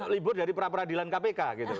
libur dari pra peradilan kpk gitu